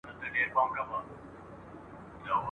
د ښځي پر ضد دغه کرکي